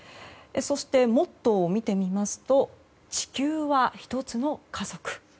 そして、モットーを見てみますと地球は一つの家族。